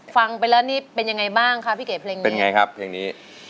ฟังไปแล้วนี่เป็นยังไงบ้างคะพี่เก๋เพลงนี้เป็นไงครับเพลงนี้